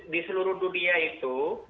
di seluruh dunia itu